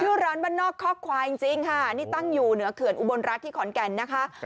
ชื่อร้านบ้านนอกคอกควายจริงค่ะนี่ตั้งอยู่เหนือเขื่อนอุบลรัฐที่ขอนแก่นนะคะ